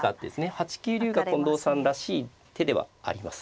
８九竜が近藤さんらしい手ではあります。